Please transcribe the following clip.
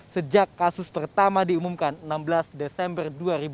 sejak kasus pertama diumumkan enam belas desember dua ribu dua puluh